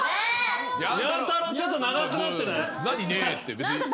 にゃんたろうちょっと長くなってない？